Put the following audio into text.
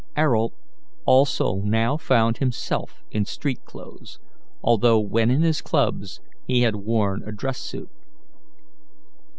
Ayrault also now found himself in street clothes, although when in his clubs he had worn a dress suit.